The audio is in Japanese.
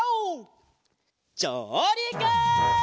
じょうりく！